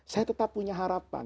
saya tetap punya harapan